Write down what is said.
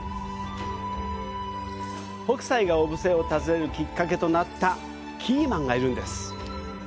北斎が小布施を訪れるきっかけとなったキーマンがいるんです。